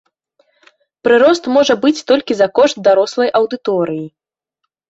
Прырост можа быць толькі за кошт дарослай аўдыторыі.